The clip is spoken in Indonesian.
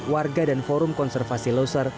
warga dan forum konservasi loser